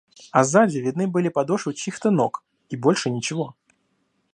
А сзади видны были подошвы чьих-то ног — и больше ничего.